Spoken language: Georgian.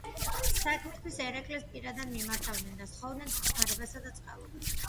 საქმისთვის ერეკლეს პირადად მიმართავდნენ და სთხოვდნენ დახმარებასა და წყალობას.